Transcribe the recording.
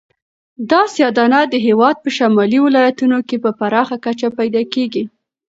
دا سیاه دانه د هېواد په شمالي ولایتونو کې په پراخه کچه پیدا کیږي.